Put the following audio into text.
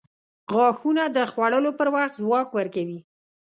• غاښونه د خوړلو پر وخت ځواک ورکوي.